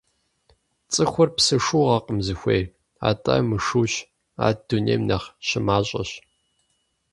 ЦӀыхур псы шыугъэкъым зыхуейр, атӀэ мышыущ, ар дунейм нэхъ щымащӀэщ.